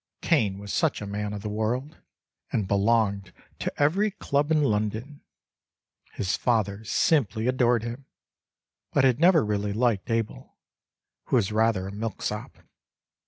Cain was such a man of the world And belonged to every club in London ; His father simply adored him, — But had never really liked Abel, Who was rather a milk sop.